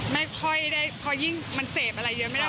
ไม่ค่อยได้พอยิ่งมันเสพอะไรเยอะไม่ได้